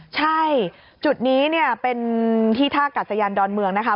ใช่จุดนี้เนี่ยเป็นที่ท่ากัดสยานดอนเมืองนะคะ